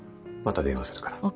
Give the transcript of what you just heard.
また電話するから。